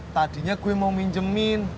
tadinya gue mau minjemin